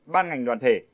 ban ngành đoàn thể